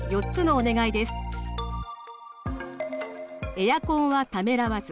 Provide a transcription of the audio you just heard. エアコンはためらわず。